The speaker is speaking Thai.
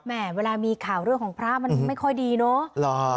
เวลามีข่าวเรื่องของพระมันไม่ค่อยดีเนาะ